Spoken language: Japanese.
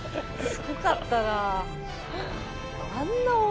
すごかったなあ。